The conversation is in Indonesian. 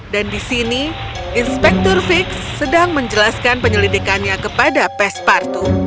dan di sini inspektur fix sedang menjelaskan penyelidikannya kepada pespartu